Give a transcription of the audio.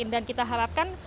dan kita harapkan